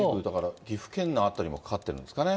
岐阜県の辺りもかかってるんですかね。